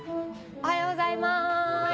おはようございます。